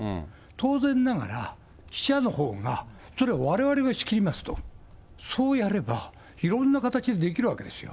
当然ながら、記者のほうが、それはわれわれが仕切りますと、そうやれば、いろんな形でできるわけですよ。